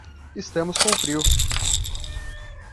Estamos com frio